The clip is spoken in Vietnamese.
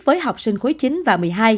với học sinh khối chín và một mươi hai